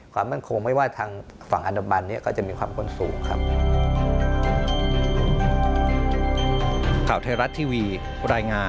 ความมั่นคงไม่ว่าทางฝั่งอันดามันเนี่ยก็จะมีความข้นสูงครับ